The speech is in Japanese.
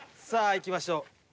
さあいきましょう。